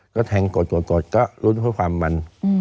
ก็แทงกดกดกดก็รุ่นเพื่อความมัน